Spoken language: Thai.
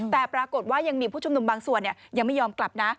แต่ปรากฏว่ายังมีผู้ชุมนุมบางส่วนยังไม่ยอมกลับนะ